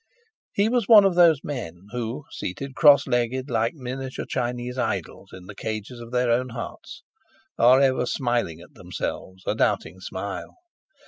He was one of those men who, seated cross legged like miniature Chinese idols in the cages of their own hearts, are ever smiling at themselves a doubting smile.